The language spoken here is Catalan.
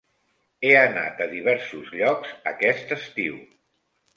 He anat a diversos llocs aquest estiu.